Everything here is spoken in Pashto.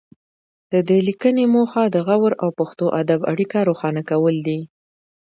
د دې لیکنې موخه د غور او پښتو ادب اړیکه روښانه کول دي